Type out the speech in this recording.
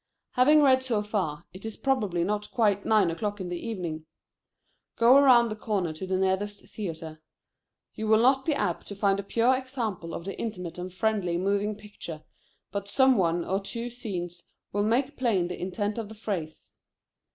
Having read so far, it is probably not quite nine o'clock in the evening. Go around the corner to the nearest theatre. You will not be apt to find a pure example of the Intimate and friendly Moving Picture, but some one or two scenes will make plain the intent of the phrase.